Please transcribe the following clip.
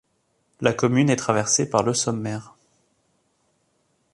La commune est traversée par le Sommaire.